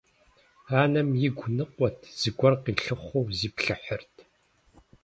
Анэм игу ныкъуэт, зыгуэр къилъыхъуэу зиплъыхьырт.